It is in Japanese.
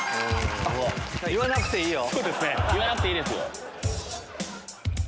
言わなくていいよ。